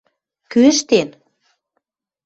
Кӱ ӹштен?